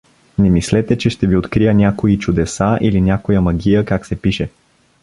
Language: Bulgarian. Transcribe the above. Не мислете, че ще ви открия някои чудеса или някоя магия как се пише.